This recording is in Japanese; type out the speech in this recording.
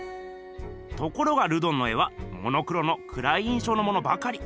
ところがルドンの絵はモノクロのくらい印象のものばかり。